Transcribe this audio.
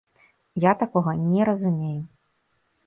Я такога не разумею.